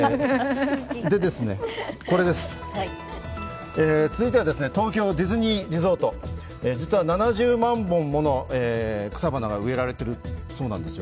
これです、続いては東京ディズニーリゾート、実は７０万本もの草花が植えられているそうなんですよ。